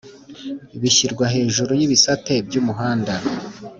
bishyirwa hejuru y’ibisate by’umuhanda